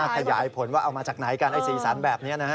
ขยายผลว่าเอามาจากไหนกันไอ้สีสันแบบนี้นะฮะ